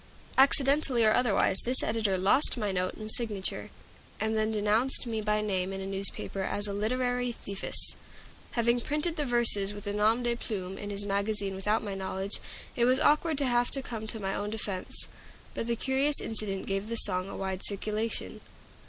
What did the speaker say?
Accidentally or otherwise, this editor lost my note and signature, and then denounced me by name in a newspaper as a "literary thiefess;" having printed the verses with a nom de plume in his magazine without my knowledge. It was awkward to have to come to my own defense. But the curious incident gave the song a wide circulation.